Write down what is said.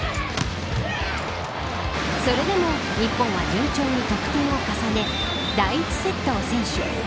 それでも日本は順調に得点を重ね第１セットを先取。